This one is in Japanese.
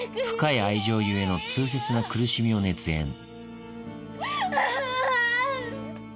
深い愛情ゆえの痛切な苦しみを熱演。